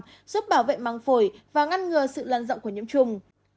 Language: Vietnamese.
giúp bảo vệ măng phổi và ngăn ngừa sự lăn rộng của nhiễm trùng